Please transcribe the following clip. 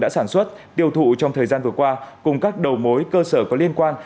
đã sản xuất tiêu thụ trong thời gian vừa qua cùng các đầu mối cơ sở có liên quan